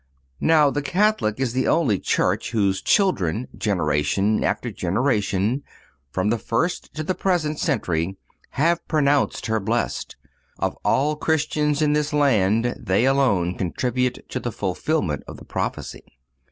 Now the Catholic is the only Church whose children, generation after generation, from the first to the present century, have pronounced her blessed; of all Christians in this land, they alone contribute to the fulfilment of the prophecy.